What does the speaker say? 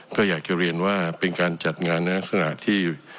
ก็อยากจะเรียนว่าเป็นการจัดงานในลักษณะที่